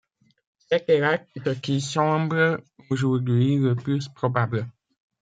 C’est hélas ce qui semble aujourd’hui le plus probable.